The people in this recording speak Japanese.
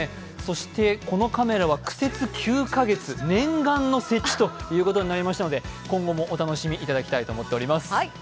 このカメラは苦節９カ月、念願の設置ということになりましたので今後もお楽しみいただきたいと思っております。